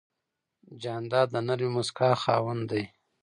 جانداد د نرمې موسکا خاوند دی.